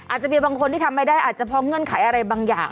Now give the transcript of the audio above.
อาจจะมีบางคนที่ทำไม่ได้อาจจะพร้อมเงื่อนไขอะไรบางอย่าง